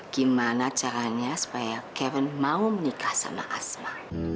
gimana caranya supaya kevin mau menikah sama asma